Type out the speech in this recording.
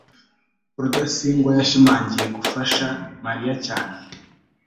rudasingwa yashimangiye gufasha mariya cyane